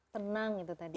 tenang itu tadi